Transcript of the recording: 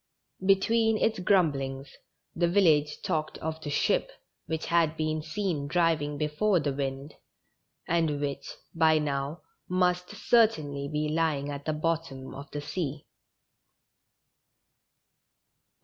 Between its grumblings, the village talked of the ship which had been seen driving before the wind, and which, by now, must certainly be lying at the bottom cf tlie sea.